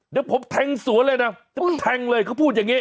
เดี๋ยวผมแทงสวนเลยนะจะแทงเลยเขาพูดอย่างนี้